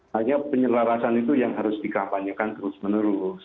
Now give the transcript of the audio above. hanya penyelarasan itu yang harus dikampanyekan terus menerus